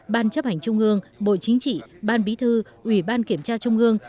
ban chấp hành trung ương bộ chính trị ban bí thư ủy ban kiểm tra trung ương